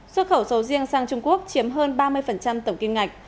xuất khẩu sầu riêng sang trung quốc chiếm hơn ba mươi tổng kim ngạch